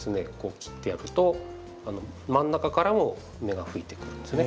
切ってやると真ん中からも芽が吹いてくるんですね。